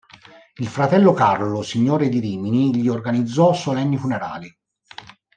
Il fratello Carlo, signore di Rimini, gli organizzò solenni funerali.